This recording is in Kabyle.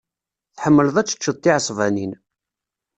Tḥemmleḍ ad teččeḍ tiɛesbanin.